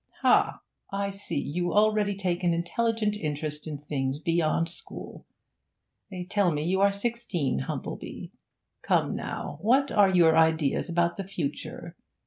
'Ha! I see you already take an intelligent interest in things beyond school. They tell me you are sixteen, Humplebee. Come, now; what are your ideas about the future?